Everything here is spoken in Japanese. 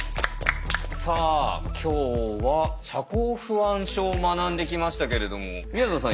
さあ今日は社交不安症を学んできましたけれどもみやぞんさん